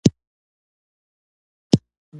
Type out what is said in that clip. د ونې په پاڼو کې د باران څاڅکي ښکلي ښکاري.